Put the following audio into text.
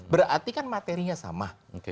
berarti kan materinya sama